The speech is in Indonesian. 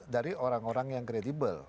dari orang orang yang kredibel